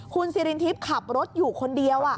คุณซิรินทิพย์ขับรถอยู่คนเดียว